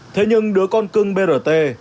thế nhưng đứa con cưng brt